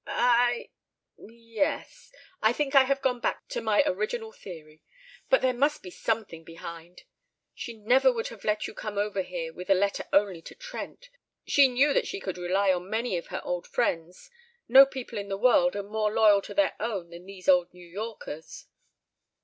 "I yes I think I have gone back to my original theory. But there must be something behind. She never would have let you come over here with a letter only to Trent. She knew that she could rely on many of her old friends. No people in the world are more loyal to their own than these old New Yorkers."